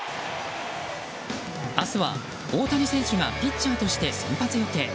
明日は大谷選手がピッチャーとして先発予定。